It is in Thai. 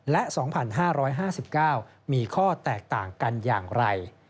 และ๒๕๕๙มีข้อแตกต่างกันอย่างไร